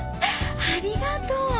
ありがとう！